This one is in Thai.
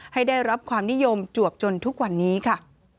ให้ได้รับความนิยมจวบจนทุกวันนี้ค่ะ